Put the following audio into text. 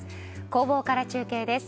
工房から中継です。